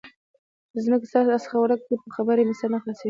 د ځمکې سره راڅخه ورک دی؛ په خبره مې سر نه خلاصېږي.